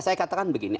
saya katakan begini